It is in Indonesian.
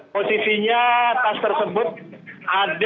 posisinya tas tersebut ada